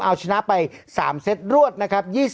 เอาชนะไป๓เซตรวดนะครับ